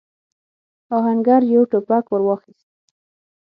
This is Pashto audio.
آهنګر يو ټوپک ور واخيست.